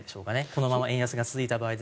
このまま円安が進んだ場合。